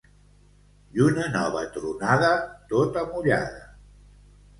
Lluna nova tronada, tota mullada.